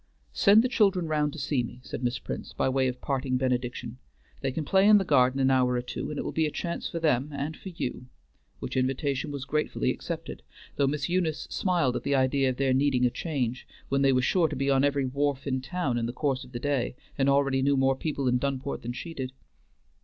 "Send the children round to see me," said Miss Prince, by way of parting benediction. "They can play in the garden an hour or two, and it will be a change for them and for you;" which invitation was gratefully accepted, though Miss Eunice smiled at the idea of their needing a change, when they were sure to be on every wharf in town in the course of the day, and already knew more people in Dunport than she did.